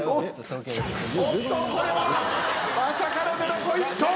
おっとこれはまさかの０ポイント！